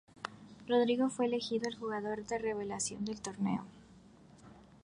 Rodrigo fue elegido el jugador revelación del torneo.